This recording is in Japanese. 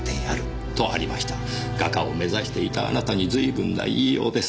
画家を目指していたあなたにずいぶんな言いようです。